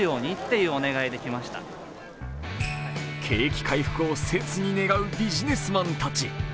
景気回復を切に願うビジネスマンたち。